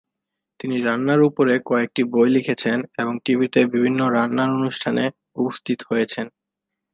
তিনি রান্নার উপরে কয়েকটি বই লিখেছেন এবং টিভিতে বিভিন্ন রান্নার অনুষ্ঠানে উপস্থিত হয়েছেন।